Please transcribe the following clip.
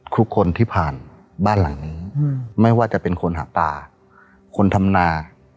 ทุกคนที่ผ่านบ้านหลังนี้ไม่ว่าจะเป็นคนหาปลาคนทำนา